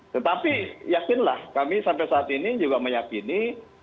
tetapi yakinlah kami sampai saat ini juga meyakini